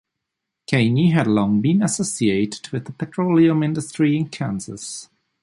Caney has long been associated with the petroleum industry in Kansas.